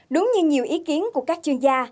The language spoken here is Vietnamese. đúng như nhiều ý kiến của các chuyên gia